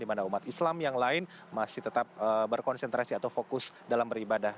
di mana umat islam yang lain masih tetap berkonsentrasi atau fokus dalam beribadah